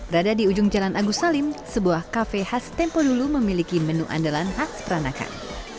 rada di ujung jalan agus salim sebuah kafe khas tempo dulu memiliki menu andalan khas peranakan